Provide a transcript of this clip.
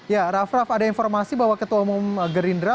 ya raff raff ada informasi bahwa ketua umum gerindra